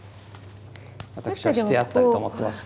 私はしてやったりと思ってますが。